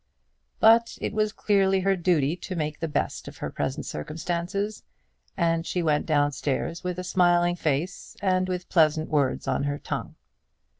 But it was clearly her duty to make the best of her present circumstances, and she went down stairs with a smiling face and with pleasant words on her tongue.